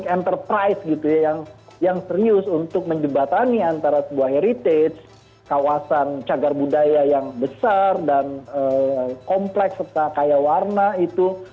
enterprise gitu ya yang serius untuk menjebatani antara sebuah heritage kawasan cagar budaya yang besar dan kompleks serta kaya warna itu